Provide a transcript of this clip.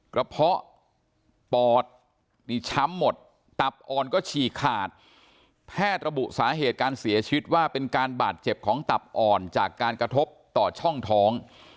เพาะปอดนี่ช้ำหมดตับอ่อนก็ฉีกขาดแพทย์ระบุสาเหตุการเสียชีวิตว่าเป็นการบาดเจ็บของตับอ่อนจากการกระทบต่อช่องท้อง